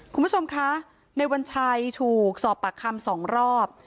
คุณผู้ชมคะในวันชัยถูกสอบปากคำสองรอบ